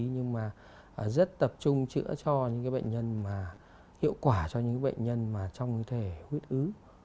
nhưng mà rất tập trung chữa cho những cái bệnh nhân mà hiệu quả cho những bệnh nhân mà trong thể huyết ứ